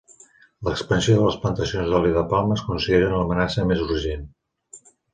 L'expansió de les plantacions d'oli de palma es consideren l'amenaça més urgent.